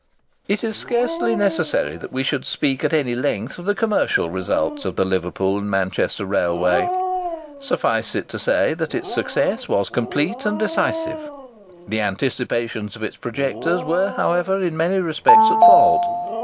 It is scarcely necessary that we should speak at any length of the commercial results of the Liverpool and Manchester Railway. Suffice it to say that its success was complete and decisive. The anticipations of its projectors were, however, in many respects at fault.